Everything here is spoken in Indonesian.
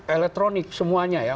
elektronik semuanya ya